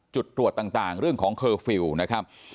จุดตรวจต่างเรื่องของเคอร์ฟิลล์นะครับ